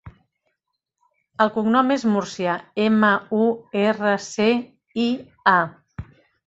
El cognom és Murcia: ema, u, erra, ce, i, a.